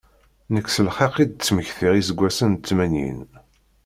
Nekk s lxiq i d-ttmektiɣ iseggasen n tmanyin.